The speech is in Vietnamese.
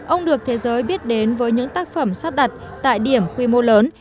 ông được thế giới biết đến với những tác phẩm sắp đặt tại điểm quy mô lớn